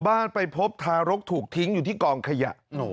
ไปพบทารกถูกทิ้งอยู่ที่กองขยะ